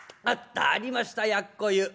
あったありました奴湯。